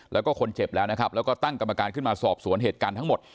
แล้วก็คนเจ็บแล้วนะครับแล้วก็ตั้งกรรมการขึ้นมาสอบสวนเหตุการณ์ทั้งหมด